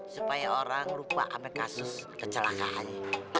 supaya orang lupa sampai kasus kecelakaan